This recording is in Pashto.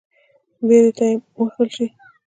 بيا دې تيمم ووهل شي.